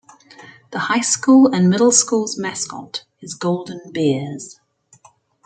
The high school and middle school's mascot is Golden Bears.